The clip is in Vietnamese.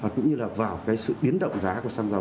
cũng như là vào cái sự biến động giá của xăng dầu